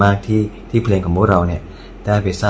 แล้ววันนี้ผมมีสิ่งหนึ่งนะครับเป็นตัวแทนกำลังใจจากผมเล็กน้อยครับ